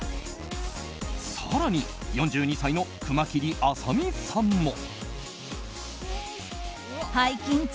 更に４２歳の熊切あさ美さんも。